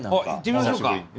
あ行ってみましょうか。